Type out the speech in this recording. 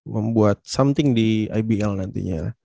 membuat something di ibl nantinya